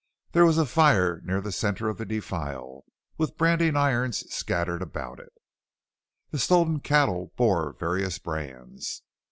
There was a fire near the center of the defile, with branding irons scattered about it. The stolen cattle bore various brands.